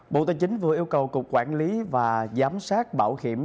bộ tài chính vừa yêu cầu cục quản lý và giám sát bảo hiểm